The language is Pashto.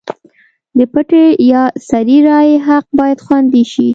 د پټې یا سري رایې حق باید خوندي شي.